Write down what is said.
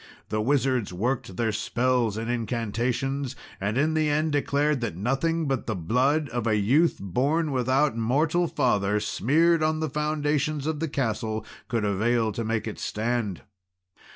The wizards worked their spells and incantations, and in the end declared that nothing but the blood of a youth born without mortal father, smeared on the foundations of the castle, could avail to make it stand.